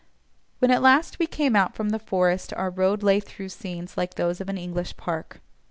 When at last we came out from the forest our road lay through scenes like those of an English park.